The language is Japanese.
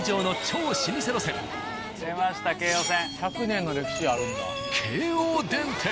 １００年の歴史あるんだ。